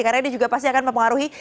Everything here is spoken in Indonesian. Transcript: karena ini juga pasti akan mempengaruhi